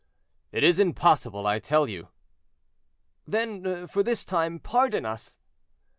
"It is impossible, I tell you." "Then, for this time, pardon us."